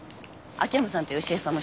秋山さんと良恵さんも？